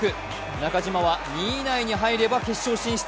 中島は２位以内に入れば決勝進出。